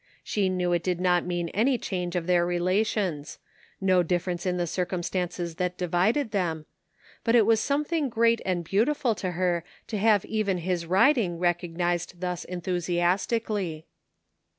She knew it did not mean any change of their relations ; no difference in the circum stances that divided them ; but it was something great jand beautiful to her to have even his riding recognized thus enthusiastically.